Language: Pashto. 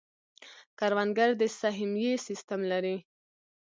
کروندګر د سهمیې سیستم لري.